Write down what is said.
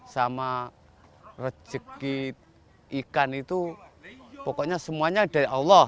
sama rezeki ikan itu pokoknya semuanya dari allah